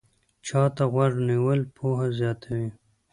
چا ته غوږ نیول پوهه زیاتوي